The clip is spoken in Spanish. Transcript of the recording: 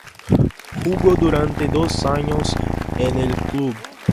Jugó durante dos años en el club.